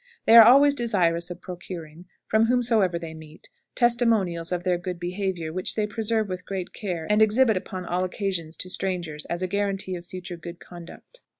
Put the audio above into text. They are always desirous of procuring, from whomsoever they meet, testimonials of their good behavior, which they preserve with great care, and exhibit upon all occasions to strangers as a guarantee of future good conduct.